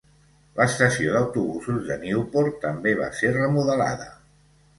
L'estació d'autobusos de Newport també va ser remodelada.